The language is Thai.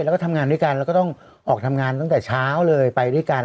แล้วก็ทำงานด้วยกันแล้วก็ต้องออกทำงานตั้งแต่เช้าเลยไปด้วยกัน